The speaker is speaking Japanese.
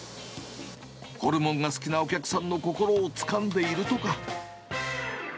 ホルモンが好きなお客さんの心をつかんでいるとか。